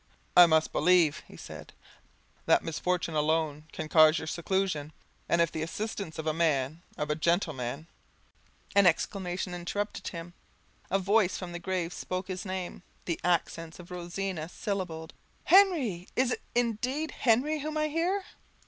"I must believe," he said, 'that misfortune alone can cause your seclusion; and if the assistance of a man of a gentleman " An exclamation interrupted him; a voice from the grave spoke his name the accents of Rosina syllabled, "Henry! is it indeed Henry whom I hear?"